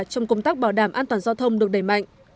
trong công tác bảo đảm an toàn giao thông được đẩy mạnh